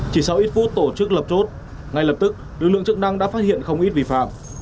chỉ sau ít phút tổ chức lập chốt ngay lập tức lực lượng chức năng đã phát hiện không ít vi phạm